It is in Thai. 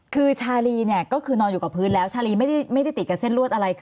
คือชาลีนอนอยู่กับพื้นชาลีไม่ได้ติดกับเส้นรวดอะไร